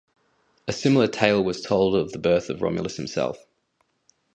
A similar tale was told of the birth of Romulus himself.